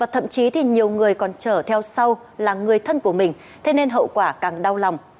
thậm chí nhiều người còn trở theo sau là người thân của mình thế nên hậu quả càng đau lòng